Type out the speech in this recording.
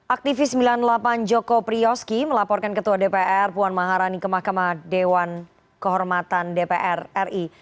aktivis sembilan puluh delapan joko priyoski melaporkan ketua dpr puan maharani ke mahkamah dewan kehormatan dpr ri